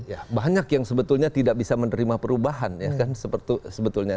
ya banyak yang sebetulnya tidak bisa menerima perubahan ya kan sebetulnya